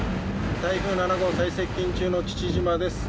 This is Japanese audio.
台風７号最接近中の父島です。